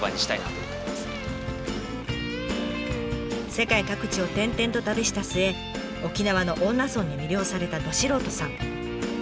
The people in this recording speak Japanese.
世界各地を転々と旅した末沖縄の恩納村に魅了されたど素人さん。